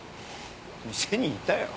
店にいたよ。